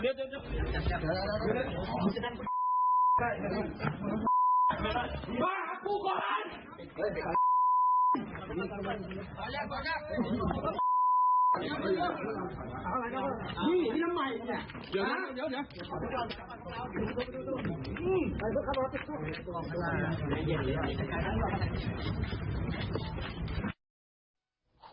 นี่มีน้ำใหม่เนี่ยเดี๋ยว